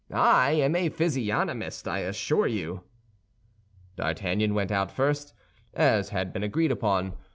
I am a physiognomist, I assure you." D'Artagnan went out first, as had been agreed upon.